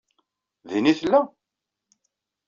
Din i tella?